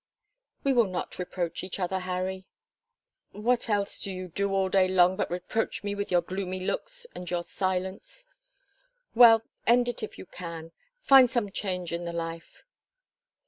"We will not reproach each other, Harry." "Why what else do you do all day long but reproach me with your gloomy looks and your silence?" "Well end it if you can. Find some change in the life."